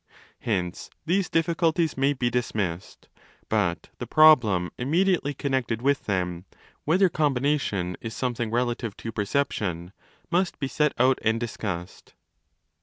Hence these diffi culties may be dismissed: but the problem immediately connected with them—' whether combination is something relative to perception '—must be set out and discussed.